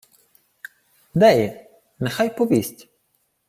— Де є? Нехай повість!